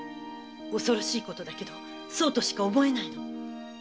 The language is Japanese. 恐ろしいことだけどそうとしか思えないの。